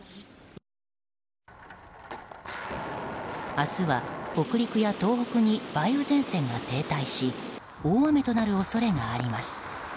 明日は北陸や東北に梅雨前線が停滞し大雨となる恐れがあります。